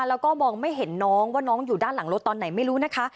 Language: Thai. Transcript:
แล้วก็มองไม่เห็นน้องว่าน้องอยู่ด้านหลังรถตอนไหนไม่รู้นะคะ